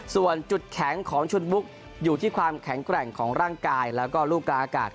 ส่วนจุดแข็งของชุดบุ๊กอยู่ที่ความแข็งแกร่งของร่างกายแล้วก็ลูกกลางอากาศ